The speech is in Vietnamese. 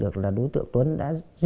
cái sim trước